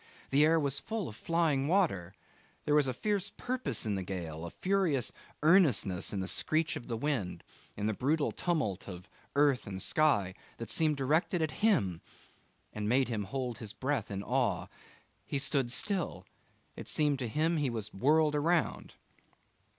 The air was full of flying water. There was a fierce purpose in the gale, a furious earnestness in the screech of the wind, in the brutal tumult of earth and sky, that seemed directed at him, and made him hold his breath in awe. He stood still. It seemed to him he was whirled around.